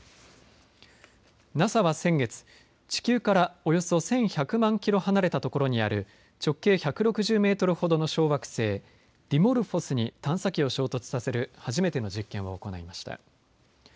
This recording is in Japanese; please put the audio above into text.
ＮＡＳＡは先月、地球からおよそ１１００万キロ離れたところにある直径１６０メートルほどの小惑星ディモルフォスに探査機を衝突させる初めての実験を行いました。